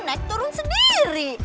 naik turun sendiri